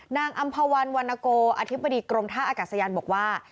อำภาวันวันนโกอธิบดีกรมท่าอากาศยานบอกว่า